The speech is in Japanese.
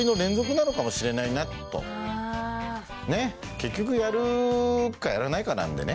結局やるかやらないかなんでね。